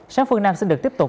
sáng phương nam sẽ được tiếp tục